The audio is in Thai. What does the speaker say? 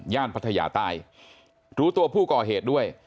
พัทยาใต้รู้ตัวผู้ก่อเหตุด้วย